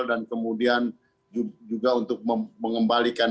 dan kemudian juga untuk mengembalikan